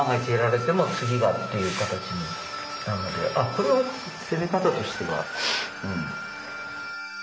これは攻め方としてはうん。